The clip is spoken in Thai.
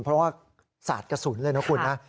เพราะว่าสาดกระสุนเลยนะคุณนะ